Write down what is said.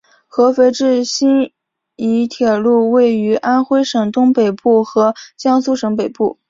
合肥至新沂铁路位于安徽省东北部和江苏省北部。